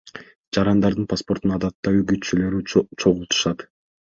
Жарандардын паспортун адатта үгүтчүлөр чогултушат.